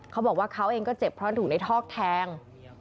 เขาบอกว่าเขาเองก็เจ็บเพราะถูกในทอกแทง